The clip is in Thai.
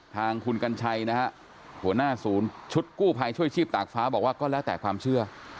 ทางคุณกัญชัยนะฮะหัวหน้าศูนย์ชุดกู้ภัยช่วยชีพตากฟ้าบอกว่าก็แล้วแต่ความเชื่อ